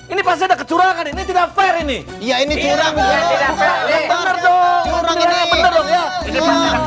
ini pasti ada kecurangan ini tidak fair ini